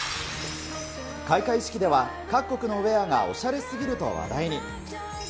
開会式では、各国のウエアがおしゃれすぎると話題に。